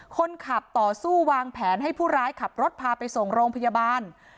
ต่อสู้วางแผนให้ผู้ร้ายขับรถพาไปส่งโรงพยาบาล